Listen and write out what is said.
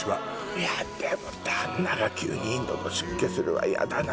いやでも旦那が急にインドの出家するは嫌だな。